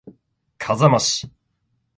笠間市